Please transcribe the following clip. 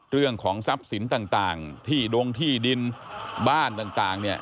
เรื่องของทรัพย์สินต่างที่ดงที่ดินบ้านต่างเนี่ย